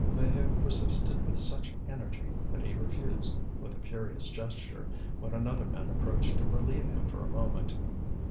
Maheu persisted with such energy that he refused, with a furious gesture, when another man approached to relieve him for a moment.